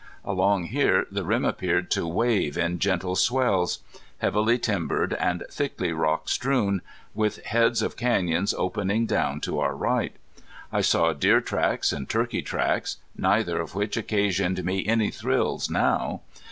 Along here the rim appeared to wave in gentle swells, heavily timbered and thickly rock strewn, with heads of canyons opening down to our right. I saw deer tracks and turkey tracks, neither of which occasioned me any thrills now.